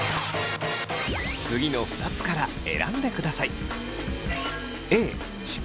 次の２つから選んでください。